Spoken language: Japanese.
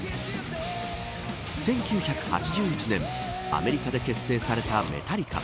１９８１年アメリカで結成されたメタリカ。